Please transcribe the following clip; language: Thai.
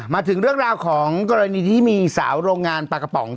มาถึงเรื่องราวของกรณีที่มีสาวโรงงานปลากระป๋อง